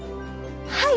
はい！